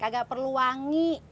kagak perlu wangi